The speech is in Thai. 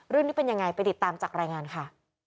เรื่องนี้เป็นยังไงไปติดตามจากรายงานค่ะ